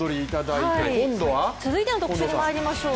続いての特集にまいりましょう。